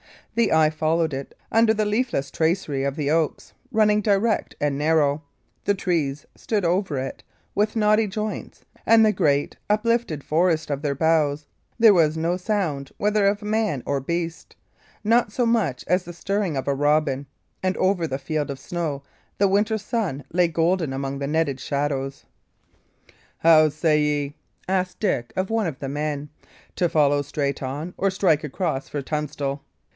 The eye followed it under the leafless tracery of the oaks, running direct and narrow; the trees stood over it, with knotty joints and the great, uplifted forest of their boughs; there was no sound, whether of man or beast not so much as the stirring of a robin; and over the field of snow the winter sun lay golden among netted shadows. "How say ye," asked Dick of one of the men, "to follow straight on, or strike across for Tunstall?"